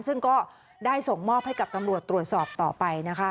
ซึ่งก็ได้ส่งมอบให้กับตำรวจตรวจสอบต่อไปนะคะ